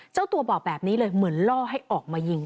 เจ้าตัวบอกแบบนี้เลยเหมือนล่อให้ออกมายิง